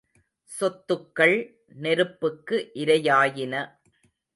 சொத்துக்கள் நெருப்புக்கு இரையாயின.